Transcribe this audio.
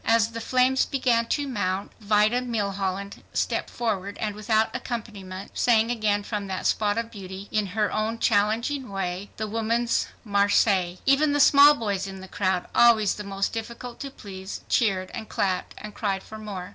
As the flames began to mount, Vida Milholland stepped forward and without accompaniment sang again from that spot of beauty, in her own challenging way, the Woman's Marseillaise. Even the small boys in the crowd, always the most difficult to please, cheered and clapped and cried for more.